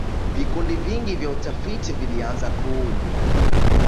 vikundi vingi vya utafiti vilianza kuundwa